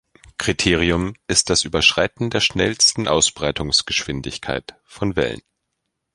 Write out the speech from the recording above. Kriterium ist das Überschreiten der schnellsten Ausbreitungsgeschwindigkeit von Wellen.